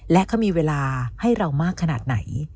และเขามีเวลาให้เรามากขนาดไหน